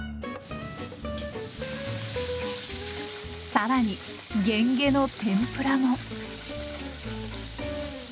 更にゲンゲの天ぷらも。